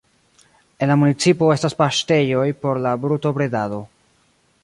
En la municipo estas paŝtejoj por la brutobredado.